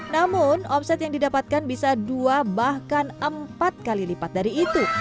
namun omset yang didapatkan bisa dua bahkan empat kali lipat dari itu